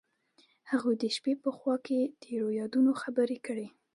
هغوی د شپه په خوا کې تیرو یادونو خبرې کړې.